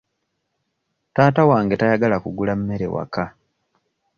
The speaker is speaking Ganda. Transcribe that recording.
Taata wange tayagala kugula mmere waka.